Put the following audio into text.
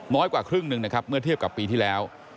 กว่าครึ่งหนึ่งนะครับเมื่อเทียบกับปีที่แล้ว